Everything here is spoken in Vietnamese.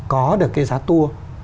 có được cái giá tour